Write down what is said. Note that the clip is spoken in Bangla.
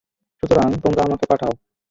সুতরাং তোমরা আমাকে পাঠাও।